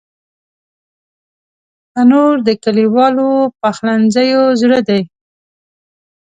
تنور د کلیوالو پخلنځیو زړه دی